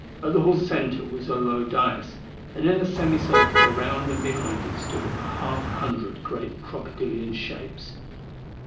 At the hall's center was a low dias, and in a semicircle around and behind it stood a half hundred great crocodilian shapes.